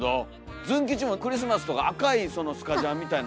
ズン吉もクリスマスとか赤いそのスカジャンみたいな。